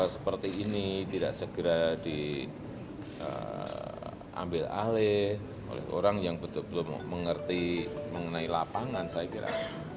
seperti ini tidak segera diambil alih oleh orang yang betul betul mengerti mengenai lapangan saya kira